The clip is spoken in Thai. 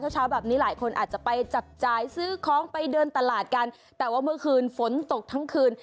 เช้าเช้าแบบนี้หลายคนอาจจะไปจับจ่ายซื้อของไปเดินตลาดกันแต่ว่าเมื่อคืนฝนตกทั้งคืน